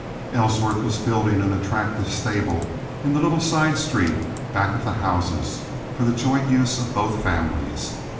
Ellsworth was building an attractive stable in the little side street back of the houses, for the joint use of both families.